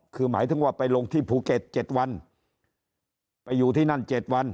คือหมายถึงว่าไปลงที่ภูเก็ต๗วันไปอยู่ที่นั่น๗วัน